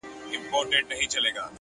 پرمختګ د زده کړې دوام غواړي